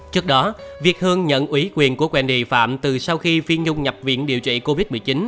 trước đó việt hương nhận ủy quyền của wendy phạm từ sau khi phi nhung nhập viện điều trị covid một mươi chín